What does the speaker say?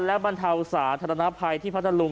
และบรรเทาสาธารณภัยที่พัทธลุง